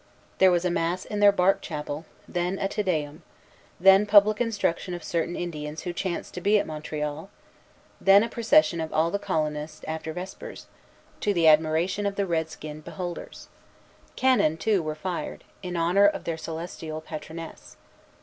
There was mass in their bark chapel; then a Te Deum; then public instruction of certain Indians who chanced to be at Montreal; then a procession of all the colonists after vespers, to the admiration of the redskinned beholders. Cannon, too, were fired, in honor of their celestial patroness.